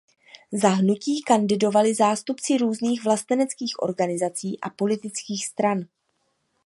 Za hnutí kandidovali zástupci různých vlasteneckých organizací a politických stran.